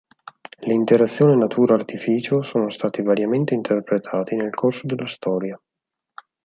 Le interazioni natura-artificio sono stati variamente interpretati nel corso della storia.